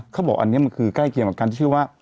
เขาบอกอันนี้มันคือใกล้เคียงกับการที่ชื่อว่า